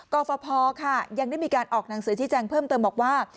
กรฟภค่ะยังได้มีการออกหนังสือชี้แจงเพิ่มเติมบอกว่า